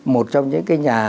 một trong những nhà